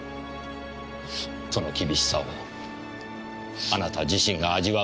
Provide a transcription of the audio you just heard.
その厳しさをあなた自身が味わうことになるとは。